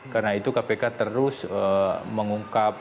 karena itu kpk terus mengungkap